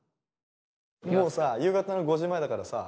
もうさあ夕方の５時前だからさ